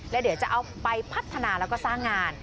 แล้วเดี๋ยวจะเอาไปพัฒนาแล้วก็สร้างงาน